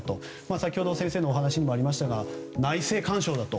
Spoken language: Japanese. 先ほど、先生のお話にもありましたが内政干渉だと。